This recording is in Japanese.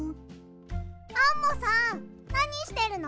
アンモさんなにしてるの？